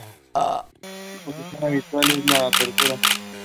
Su posición habitual es de apertura.